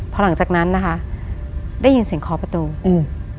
พอหลังจากนั้นนะคะได้ยินเสียงเคาะประตูอืม